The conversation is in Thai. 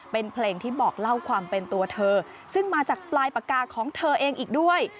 เป็นเพลงที่บอกเล่าความเป็นตัวเธอซึ่งมาจากปลายปากกาของเธอเองอีกด้วย